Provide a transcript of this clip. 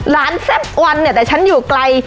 แซ่บวันเนี่ยแต่ฉันอยู่ไกล